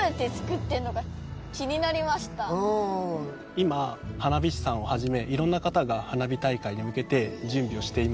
今花火師さんをはじめいろんな方が花火大会に向けて準備をしています。